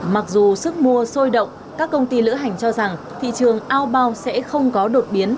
mặc dù sức mua sôi động các công ty lữ hành cho rằng thị trường ao bao sẽ không có đột biến